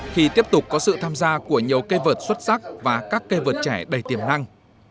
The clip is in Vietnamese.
khi tiếp tục có sự tham gia của nhiều cây vượt xuất sắc và các cây vượt trẻ đầy tiềm năng